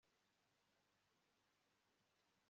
Kuva ku nkota kugeza ibihangano bikonje